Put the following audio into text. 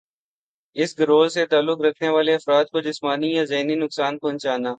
اس گروہ سے تعلق رکھنے والے افراد کو جسمانی یا ذہنی نقصان پہنچانا